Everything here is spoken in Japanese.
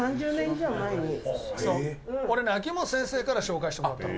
長嶋：俺ね、秋元先生から紹介してもらったの。